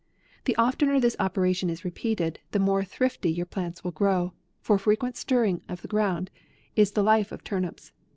The oftener this operation is repeated, the more thrifty your plants will grow ; for fre quent stirring the ground is the life of tur nips.